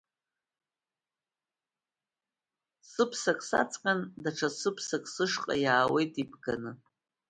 Сыԥсак саҵҟьан, даҽа сыԥсак сышҟа иааиуеит ибганы.